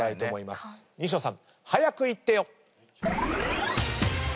西野さん早くイッてよ！